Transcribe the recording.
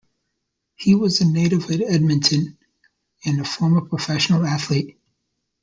He was a native of Edmonton and a former professional athlete.